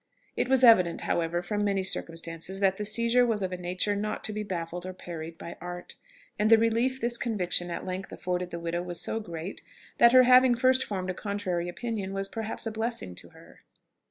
It was evident, however, from many circumstances, that the seizure was of a nature not to be baffled or parried by art; and the relief this conviction at length afforded the widow was so great, that her having first formed a contrary opinion was perhaps a blessing to her.